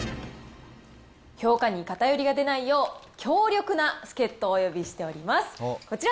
評価に偏りが出ないよう、強力な助っ人をお呼びしております。